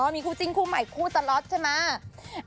มีคู่จิ้นคู่ใหม่คู่ตลอดใช่ไหม